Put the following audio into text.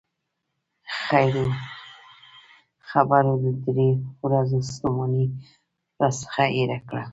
خبرو د درې ورځو ستومانۍ راڅخه هېره کړه.